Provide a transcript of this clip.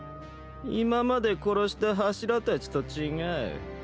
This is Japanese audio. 今まで殺した柱たちと違う。